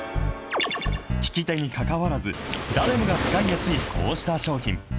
利き手にかかわらず、誰もが使いやすいこうした商品。